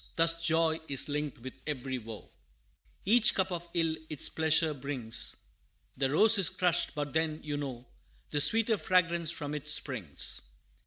Thus joy is linked with every woe Each cup of ill its pleasure brings; The rose is crushed, but then, you know, The sweeter fragrance from it springs.